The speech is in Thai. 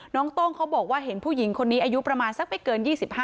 โต้งเขาบอกว่าเห็นผู้หญิงคนนี้อายุประมาณสักไม่เกิน๒๕